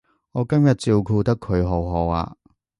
我今日照顧得佢好好啊